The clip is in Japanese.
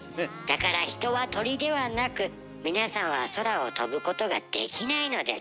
だから人は鳥ではなく皆さんは空を飛ぶことができないのです。